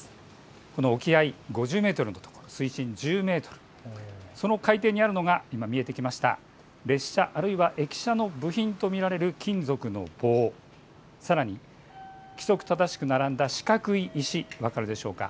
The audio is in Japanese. この沖合５０メートルのところ水深１０メートルのところその海底にあるのが今、見えてきました、列車、あるいは駅舎の部品と見られる金属の棒、さらに規則正しく並んだ四角い石、分かるでしょうか。